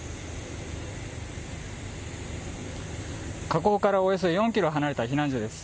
火口からおよそ４キロ離れた避難所です。